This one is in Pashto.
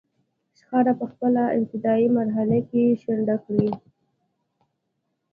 شخړه په خپله ابتدايي مرحله کې شنډه کړي.